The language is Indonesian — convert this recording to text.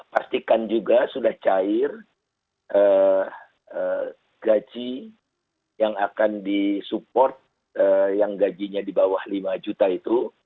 pastikan juga sudah cair gaji yang akan disupport yang gajinya di bawah lima juta itu